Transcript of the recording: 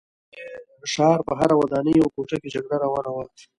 د دې ښار په هره ودانۍ او کوټه کې جګړه روانه وه